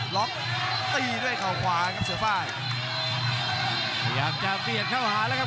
ล็อกตีด้วยเขาขวาครับเสือไฟพยายามจะเบียดเข้าหาแล้วครับ